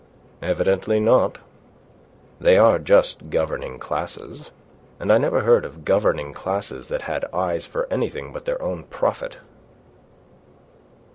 "Evidently not. They are just governing classes, and I never heard of governing classes that had eyes for anything but their own profit."